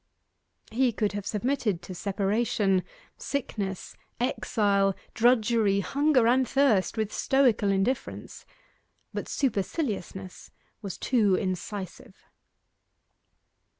He could have submitted to separation, sickness, exile, drudgery, hunger and thirst, with stoical indifference, but superciliousness was too incisive.